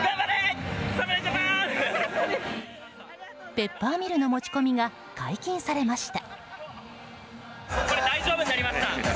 ペッパーミルの持ち込みが解禁されました。